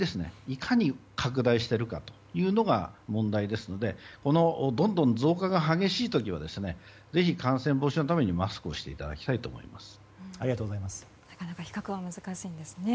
いかに拡大しているかというのが問題ですのでどんどん増加が激しい時はぜひ感染防止のためにマスクをしていただきたいと思います。